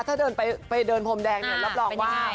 ถ้าเดินไปเดินพรมแดงเนี่ยรับรองว่า